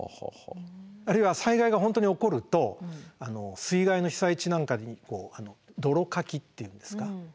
あるいは災害が本当に起こると水害の被災地なんかに泥かきっていうんですか。